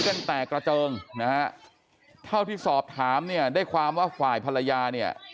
กันแตกกระเจิงนะฮะเท่าที่สอบถามเนี่ยได้ความว่าฝ่ายภรรยาเนี่ย